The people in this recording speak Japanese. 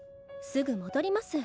すぐ戻ります。